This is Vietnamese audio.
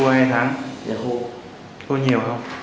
giờ là bao nhiêu